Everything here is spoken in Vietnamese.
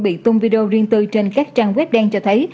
bị tung video riêng tư trên các trang web đen cho thấy